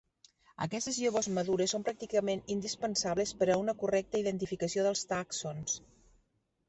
Aquestes llavors madures són pràcticament indispensables per a una correcta identificació dels tàxons.